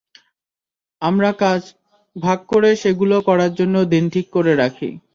আমরা কাজ ভাগ করে সেগুলো করার জন্য দিন ঠিক করে রাখি।